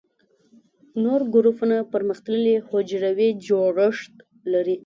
نور ګروپونه پرمختللي حجروي جوړښت لري.